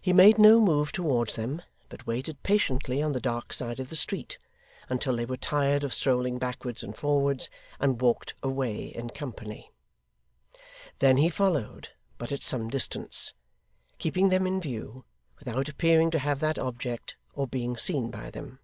He made no move towards them, but waited patiently on the dark side of the street, until they were tired of strolling backwards and forwards and walked away in company. Then he followed, but at some distance: keeping them in view, without appearing to have that object, or being seen by them.